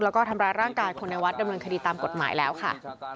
แล้วก็ทำร้ายร่างกายคนในวัดดำเนินคดีตามกฎหมายแล้วค่ะ